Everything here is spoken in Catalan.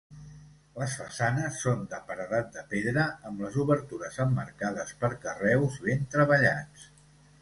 Les façanes són de paredat de pedra, amb les obertures emmarcades per carreus ben treballats.